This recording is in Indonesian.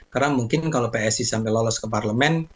karena mungkin kalau psi sampai lolos ke parlemen